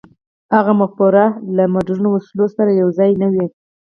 هغه مفکورې له مډرنو وسلو سره یو ځای نه وې.